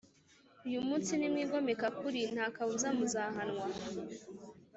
Uyu munsi nimwigomeka kuri ntakabuza muzahanwa